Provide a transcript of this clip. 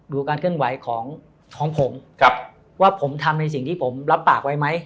ดูการเคลื่อนไหวของผมว่าผมทำในสิ่งที่ผมรับปากไว้ไหม